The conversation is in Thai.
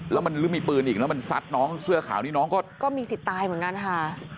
แล้วมันหรือมีปืนอีกแล้วมันซัดน้องเสื้อขาวนี่น้องก็มีสิทธิ์ตายเหมือนกันค่ะ